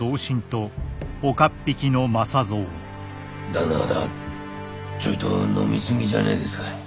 旦那方ちょいと飲み過ぎじゃあねえですかい？